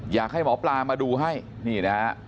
อยากให้หมอปลามาดูให้นี่นะฮะ